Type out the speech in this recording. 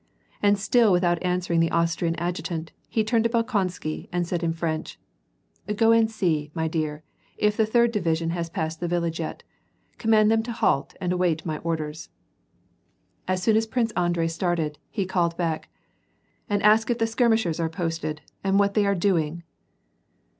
And still without answering the Austrian adjutant, he turned to Bolkon sky, and said in French :'' Cro ana see, my dear, if the third division has passed the village yet : command them to halt and await my orders." As soon as Prince Andrei started, he called him back, —'' And ask if the skirmishers are posted, and what they are doing.